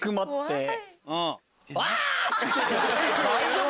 大丈夫？